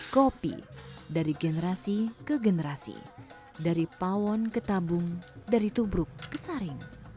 kopi dari generasi ke generasi dari pawon ke tabung dari tubruk ke saring